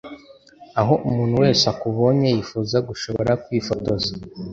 aho umuntu wese akubonye, yifuza gushobora kwifotoza